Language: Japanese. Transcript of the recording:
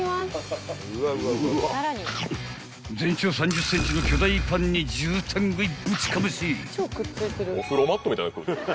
［全長３０ｃｍの巨大パンに絨毯喰いぶちかまし］